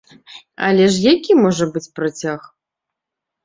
Але ж які можа быць працяг?